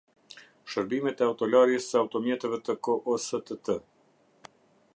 Shërbimet e autolarjes së automjeteve të kostt